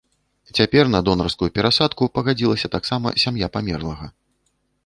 Цяпер на донарскую перасадку пагадзілася таксама сям'я памерлага.